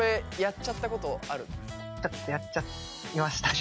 ちょっとやっちゃいましたね。